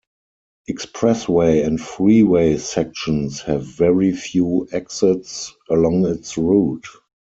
Expressway and freeway sections have very few exits along its route.